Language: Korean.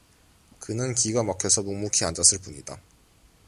그는 기가 막혀서 묵묵히 앉았을 뿐이다.